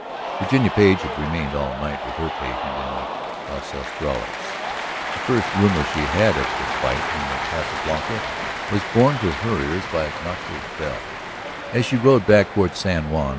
Virginia Page had remained all night with her patient in Las Estrellas. The first rumor she had of the fight in the Casa Blanca was borne to her ears by Ignacio's bell as she rode back toward San Juan.